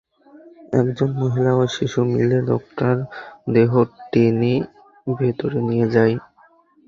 একজন মহিলা ও শিশু মিলে লোকটার দেহ টেনে ভেতরে নিয়ে যায়।